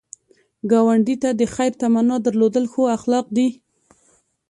ګاونډي ته د خیر تمنا درلودل ښو اخلاق دي